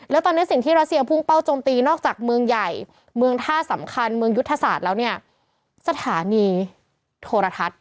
แล้วตอนนี้สิ่งที่รัสเซียพุ่งเป้าจมตีนอกจากเมืองใหญ่เมืองท่าสำคัญเมืองยุทธศาสตร์แล้วเนี่ยสถานีโทรทัศน์